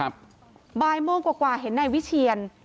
บ่ายโมงกว่าเห็นนายวิเชียน